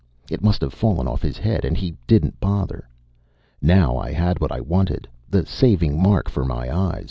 It must have fallen off his head... and he didn't bother. Now I had what I wanted the saving mark for my eyes.